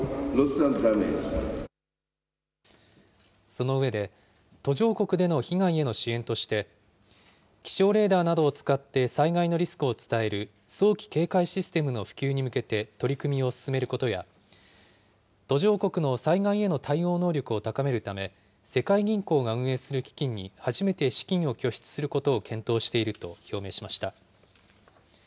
その上で、途上国での被害への支援として、気象レーダーなどを使って災害のリスクを伝える早期警戒システムの普及に向けて取り組みを進めることや、途上国の災害への対応能力を高めるため、世界銀行が運営する基金に初めて資金を拠出することを検討していると表明しました。